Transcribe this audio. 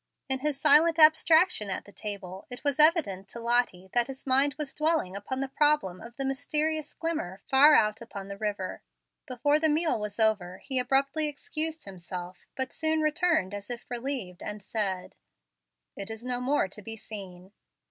In his silent abstraction at the table it was evident to Lottie that his mind was dwelling upon the problem of the mysterious glimmer far out upon the river. Before the meal was over, he abruptly excused himself, but soon returned as if relieved, and said, "It is no more to be seen."